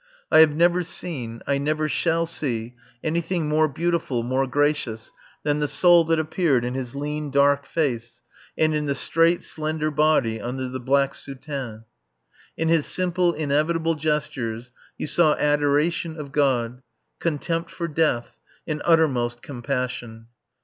I have never seen, I never shall see, anything more beautiful, more gracious than the Soul that appeared in his lean, dark face and in the straight, slender body under the black soutane. In his simple, inevitable gestures you saw adoration of God, contempt for death, and uttermost compassion.